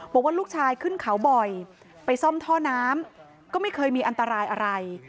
บอกว่าลูกชายขึ้นเขาบ่อยไปซ่อมท่อน้ำก็ไม่เคยมีอันตรายอะไร